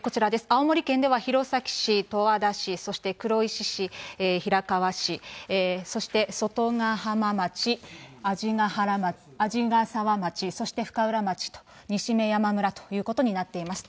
青森県では弘前市、十和田市、そして黒石市、平川市、そして外ヶ浜町、鰺ヶ沢町、そして深浦町、西目屋村ということになっています。